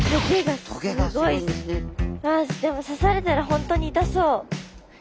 でも刺されたら本当に痛そう。